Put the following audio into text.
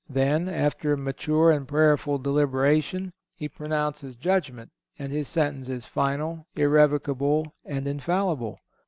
Then, after mature and prayerful deliberation, he pronounces judgment and his sentence is final, irrevocable and infallible.